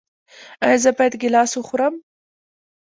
ایا زه باید ګیلاس وخورم؟